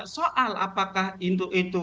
soal apakah itu